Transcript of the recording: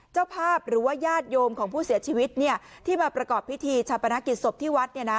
เจ้าภาพหรือว่าญาติโยมของผู้เสียชีวิตที่มาประกอบพิธีชาปนกิจศพที่วัด